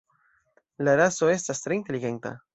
La raso estas tre inteligenta.